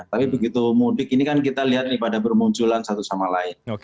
tapi begitu mudik ini kan kita lihat nih pada bermunculan satu sama lain